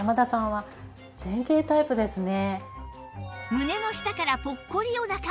胸の下からポッコリお腹